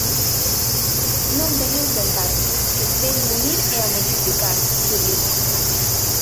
"Non veño enfrontarme, veño unir e a multiplicar", subliña.